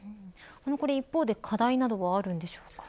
一方で課題などはあるのでしょうか。